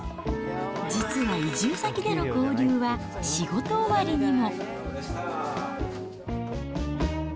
実は移住先での交流は仕事終わりにも。